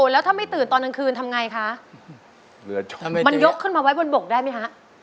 แล้วถ้าไม่ตื่นตอนกลางคืนทำไงคะมันยกขึ้นมาไว้บนบกได้ไหมฮะ